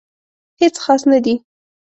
هیڅ خاص نه دي